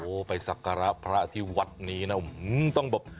โอ้โหไปสักการะพระที่วัดนี้นะต้องแบบ